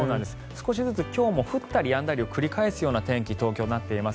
少しずつ今日も降ったりやんだりを繰り返す天気に東京、なっています。